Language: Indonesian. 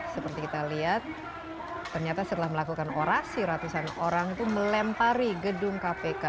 seperti kita lihat ternyata setelah melakukan orasi ratusan orang itu melempari gedung kpk